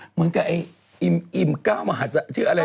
เหมือนกับไอ้อิ่มอิ่มก้าวมหาศาสน์ชื่ออะไร